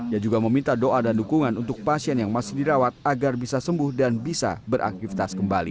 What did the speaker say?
ia juga meminta doa dan dukungan untuk pasien yang masih dirawat agar bisa sembuh dan bisa beraktivitas kembali